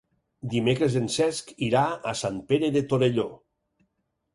Dimecres en Cesc irà a Sant Pere de Torelló.